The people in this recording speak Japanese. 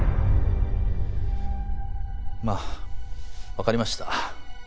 まあわかりました。